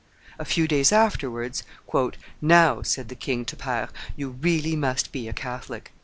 A few days afterwards, "Now," said the king to Pare, "you really must be a Catholic."